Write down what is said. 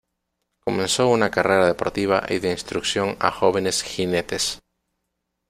Comenzó una carrera deportiva y de instrucción a jóvenes jinetes.